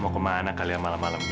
mau ke mana kalian malam malam ini